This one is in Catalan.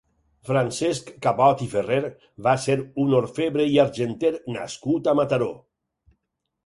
Francesc Cabot i Ferrer va ser un orfebre i argenter nascut a Mataró.